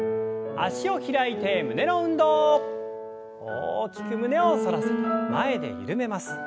大きく胸を反らせて前で緩めます。